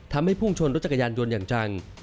พุ่งชนรถจักรยานยนต์อย่างจัง